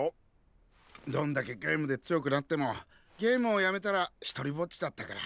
どんだけゲームで強くなってもゲームをやめたら独りぼっちだったから。